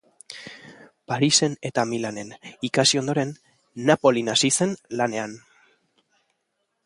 Parisen eta Milanen ikasi ondoren, Napolin hasi zen lanean.